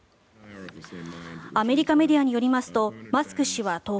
アメリカメディアによりますとマスク氏は１０日